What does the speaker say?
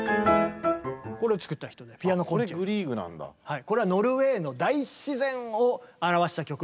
これはノルウェーの大自然を表した曲なので。